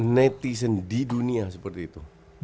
netizen di dunia seperti itu